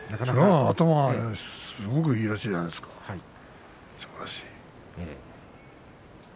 頭はすごくいいらしいじゃないですかすばらしい。